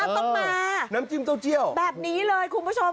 ปึ๊บมาน้ำจมเต้าเจียวแบบนี้เลย